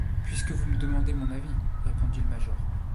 Puisque vous me demandez mon avis, répondit le major